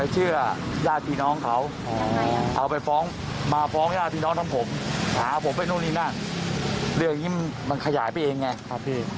เรื่องอย่างนี้มันขยายไปเองไง